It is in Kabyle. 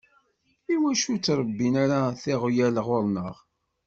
Iwacu ur ttṛebbin ara tiɣyal ɣur-neɣ?